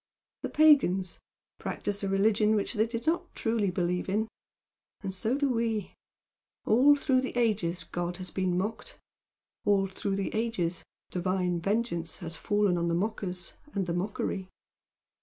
The pagans practised a religion which they did not truly believe in, and so do we. All through the ages God has been mocked; all through the ages Divine vengeance has fallen on the mockers and the mockery.